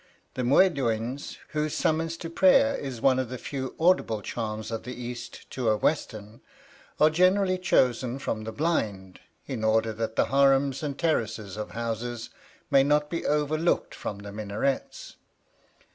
The muédoins, whose summons to prayer is one of the few audible charms of the East to a western, are generally chosen from the blind, in order that the harems and terraces of houses may not be overlooked from the minarets.